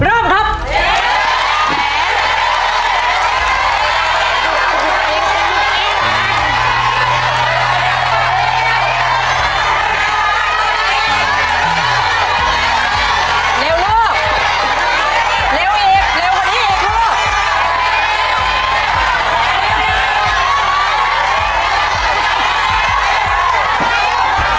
เร็วเร็วเร็วเร็วเร็วเร็วเร็วเร็วเร็วเร็วเร็วเร็วเร็วเร็วเร็วเร็ว